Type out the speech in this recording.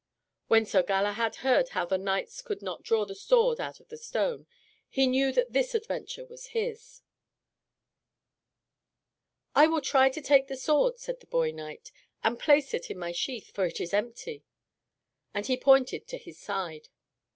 When Sir Galahad heard how the knights could not draw the sword out of the stone, he knew that this adventure was his. "I will try to take the sword," said the boy knight, "and place it in my sheath, for it is empty," and he pointed to his side.